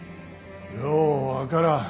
よう分からん。